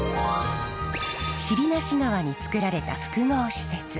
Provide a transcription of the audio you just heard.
尻無川に作られた複合施設。